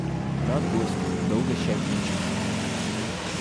– Рад гостю, да угощать нечем.